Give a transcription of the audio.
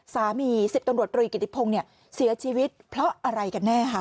สามี๑๐ตรวจตรวยกิจพงษ์เสียชีวิตเพราะอะไรกันแน่